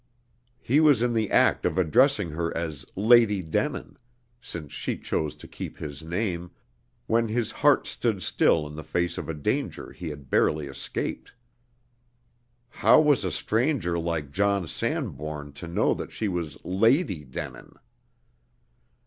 He was in the act of addressing her as "Lady Denin" (since she chose to keep his name), when his heart stood still in the face of a danger he had barely escaped. How was a stranger like John Sanbourne to know that she was Lady Denin?